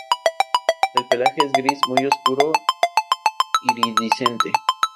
El pelaje es gris muy oscuro, iridiscente.